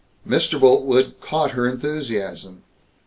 Mr. Boltwood caught her enthusiasm.